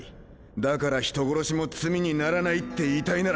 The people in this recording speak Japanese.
だから人殺しも罪にならない」って言いたいなら。